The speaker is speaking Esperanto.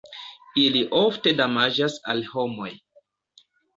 Ili ofte damaĝas al homoj.